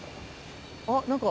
あっ何か。